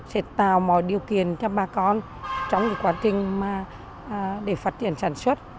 sẽ tạo mọi điều kiện cho bà con trong quá trình để phát triển sản xuất